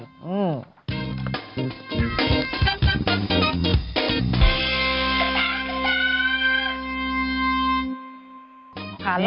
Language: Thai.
กันตากันตา